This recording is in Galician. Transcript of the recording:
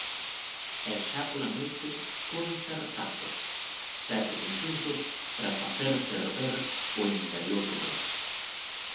E xa pola noite, concertazos, sete conxuntos para facer ferver o interior do país.